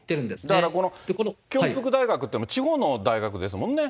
だからこのキョンプク大学というのは地方の大学ですもんね。